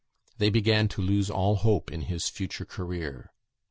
They began to lose all hope in his future career.